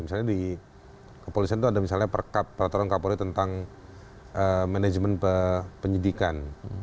misalnya di kepolisian itu ada misalnya peraturan kapolri tentang manajemen penyidikan